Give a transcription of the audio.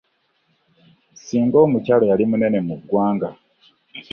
“Singa omukyala yali munene mu ggwanga.